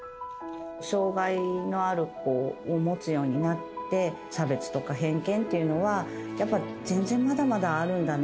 障がいのある子を持つようになって、差別とか偏見っていうのは、やっぱり、全然、まだまだあるんだな。